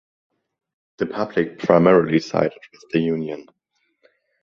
The public primarily sided with the union.